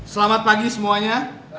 selamat pagi semuanya